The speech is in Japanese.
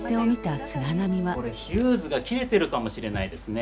これヒューズが切れてるかもしれないですね。